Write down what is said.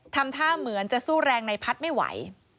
ทำท่าเหมือนจะสู้แรงในพัฒน์ไม่ไหว